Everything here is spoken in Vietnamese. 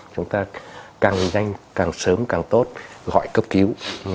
chúng ta càng nhanh càng sớm càng tốt gọi cấp cứu